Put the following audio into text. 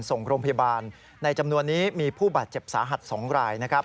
ส่งโรงพยาบาลในจำนวนนี้มีผู้บาดเจ็บสาหัส๒รายนะครับ